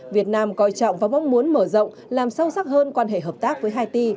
việt nam coi trọng và mong muốn mở rộng làm sâu sắc hơn quan hệ hợp tác với haiti